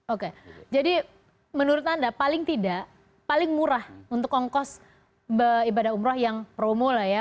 oke jadi menurut anda paling tidak paling murah untuk ongkos ibadah umroh yang promo lah ya